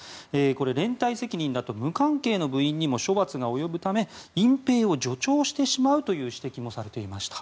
連帯責任だと無関係の部員にも処罰が及ぶため隠蔽を助長してしまうという指摘もされていました。